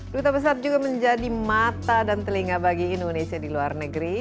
duta besar juga menjadi mata dan telinga bagi indonesia di luar negeri